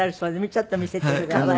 ちょっと見せてください。